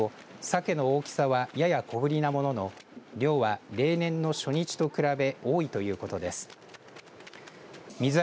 漁協によりますとさけの大きさはやや小ぶりなものの量は例年の初日と比べ多いということです。